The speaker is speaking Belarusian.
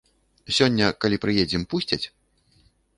Сёння, калі прыедзем, пусцяць?